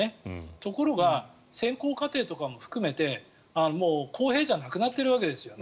ところが選考過程とかも含めてもう公平じゃなくなってきているわけですよね。